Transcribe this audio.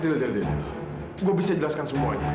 dilek dilek gua bisa jelaskan semuanya